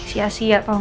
sia sia tau gak